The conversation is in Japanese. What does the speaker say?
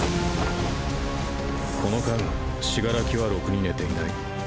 この間死柄木はろくに寝ていない。